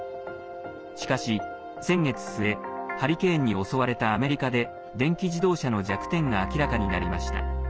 しかし先月末ハリケーンに襲われたアメリカで電気自動車の弱点が明らかになりました。